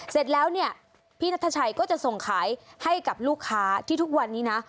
เสร็จแล้วเนี่ยพี่นัทชัยก็จะส่งขายให้กับลูกค้าที่ทุกวันนี้นะ